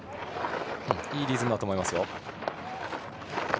いいリズムだと思いますよ。